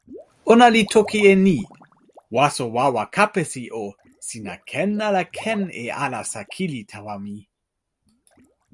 ona li toki e ni: "waso wawa Kapesi o, sina ken ala ken e alasa kili tawa mi?"